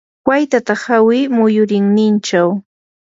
waytata hawi muyurinninchaw.